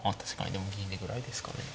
でも銀出ぐらいですかね。